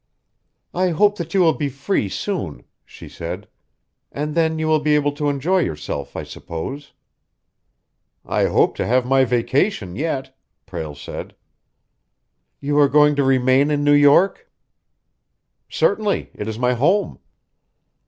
"I hope that you will be free soon," she said. "And then you will be able to enjoy yourself, I suppose." "I hope to have my vacation yet," Prale said. "You are going to remain in New York?" "Certainly; it is my home."